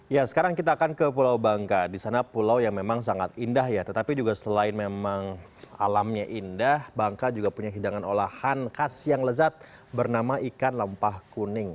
ya sekarang kita akan ke pulau bangka di sana pulau yang memang sangat indah ya tetapi juga selain memang alamnya indah bangka juga punya hidangan olahan khas yang lezat bernama ikan lempah kuning